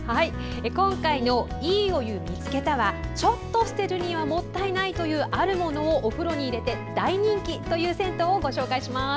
今回の「＃いいお湯見つけました」はちょっと捨てるにはもったいないものをお風呂に入れて大人気という銭湯をご紹介します。